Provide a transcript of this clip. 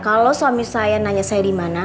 kalau suami saya nanya saya di mana